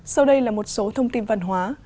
sau đây là một số thông tin văn hóa